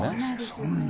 そんな。